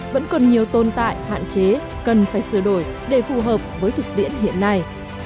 vẫn còn nhiều tồn tại hạn chế cần phải sửa đổi để phù hợp với thực tiễn hiện nay